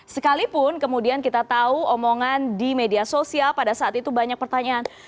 sekalipun kemudian kita tahu omongan di media sosial pada saat itu banyak pertanyaan